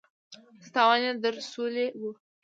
څه تاوان يې در رسولی و.